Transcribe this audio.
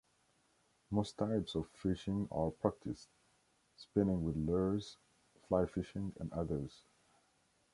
Most types of fishing are practiced: spinning with lures, fly fishing, and others.